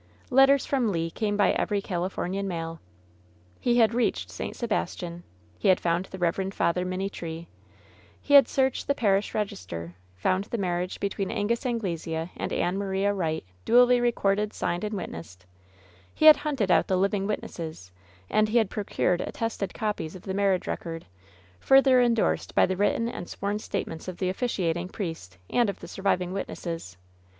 Letters from Le came by every Califomian mail. He had reached St. Sebastian ; he had found the Eev. Father Minitree ; he had searched the parish register ; foimd the marriage between Angus Anglesea and Ann Maria Wright duly recorded, signed and witnessed ; he had hunted out the living witnesses, and he had pro cured attested copies of the marriage record, further indorsed by the written and sworn statements of the oflSciating priest and of the surviving witnesses.